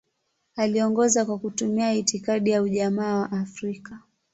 Aliongoza kwa kutumia itikadi ya Ujamaa wa Afrika.